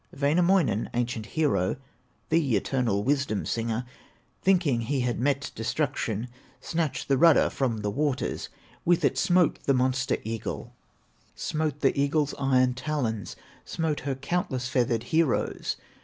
Wainamoinen, ancient hero, The eternal wisdom singer, Thinking he had met destruction, Snatched the rudder from the waters, With it smote the monster eagle, Smote the eagle's iron talons, Smote her countless feathered heroes.